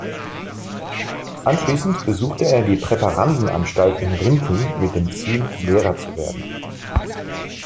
Anschließend besuchte er die Präparandenanstalt in Rinteln mit dem Ziel, Lehrer zu werden.